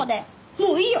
もういいよ！